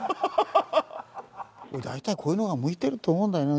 大体こういうのが向いてると思うんだよな自分。